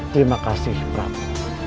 terima kasih prabu